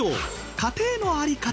家庭の在り方